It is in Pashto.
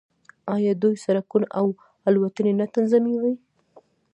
آیا دوی سړکونه او الوتنې نه تنظیموي؟